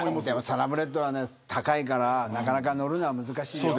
サラブレッドは高いからなかなか乗るのは難しいよ。